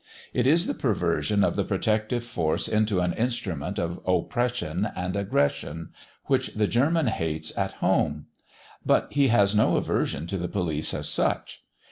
It is the perversion of the protective force into an instrument of oppression and aggression, which the German hates at home; but he has no aversion to the police as such.